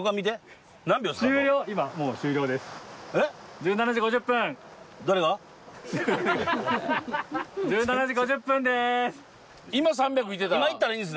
１７時５０分です。